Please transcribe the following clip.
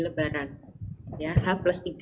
lebaran ya h tiga